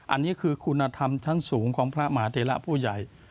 อันนี้คือคุณธรรมชั้นสูงของพระมหาเทระผู้ใหญ่